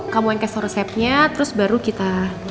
kamu angkat resepnya terus baru kita